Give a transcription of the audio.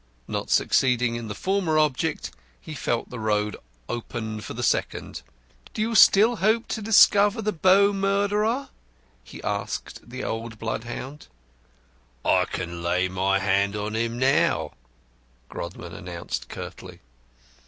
Not succeeding in the former object, he felt the road open for the second. "Do you still hope to discover the Bow murderer?" he asked the old bloodhound. "I can lay my hand on him now," Grodman announced curtly.